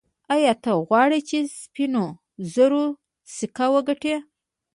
ایا ته غواړې چې د سپینو زرو سکه وګټې.